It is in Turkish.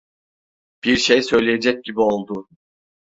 Bir şey söyleyecek gibi oldu.